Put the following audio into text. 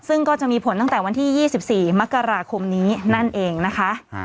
ซึ่งก็จะมีผลตั้งแต่วันที่ยี่สิบสี่มกราคมนี้นั่นเองนะคะอ่า